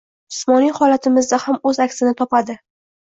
Jismoniy holatimizda ham o’z aksini topadi.